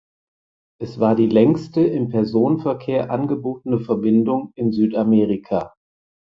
Es war die längste im Personenverkehr angebotene Verbindung in Südamerika.